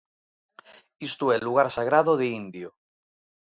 Isto é lugar sagrado de indio.